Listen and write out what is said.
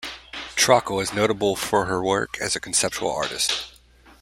Trockel is notable for her work as a conceptual artist.